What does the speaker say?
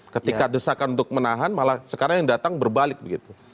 ketika desakan untuk menahan malah sekarang yang datang berbalik begitu